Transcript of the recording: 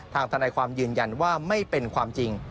ทนายความยืนยันว่าไม่เป็นความจริง